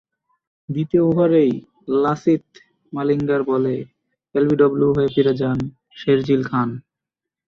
দ্বিতীয় ওভারেই লাসিথ মালিঙ্গার বলে এলবিডব্লু হয়ে ফিরে যান শেরজিল খান।